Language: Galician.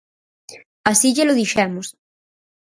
Así llelo dixemos.